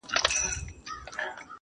په ځان کي ننوتم «هو» ته چي سجده وکړه